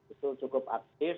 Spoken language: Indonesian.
itu cukup aktif